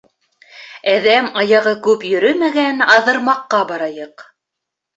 Әҙәм аяғы күп йөрөмәгән Аҙырмаҡҡа барайыҡ.